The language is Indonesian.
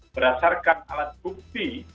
berdasarkan alat bukti